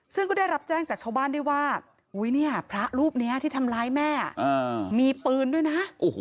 ซึ่งก็ได้รับแจ้งจากชาวบ้านด้วยว่าเนี่ยพระรูปนี้ที่ทำร้ายแม่มีปืนด้วยนะ